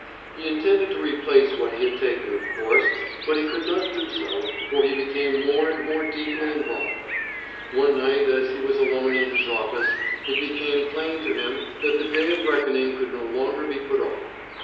He intended to replace what he had taken, of course, but he could not do so, for he became more and more deeply involved. One night as he was alone in his office it became plain to him that the day of reckoning could no longer be put off.